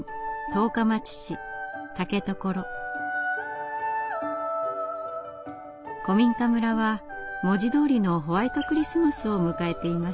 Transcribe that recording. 古民家村は文字どおりのホワイトクリスマスを迎えていました。